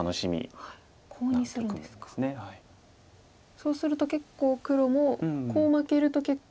そうすると結構黒もコウ負けると結構。